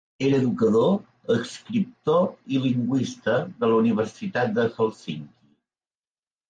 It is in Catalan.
Era educador, escriptor i lingüista de la Universitat de Helsinki.